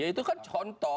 ya itu kan contoh